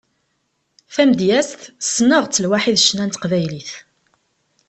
Tamedyazt, sneɣ-tt lwaḥi d ccna n teqbaylit.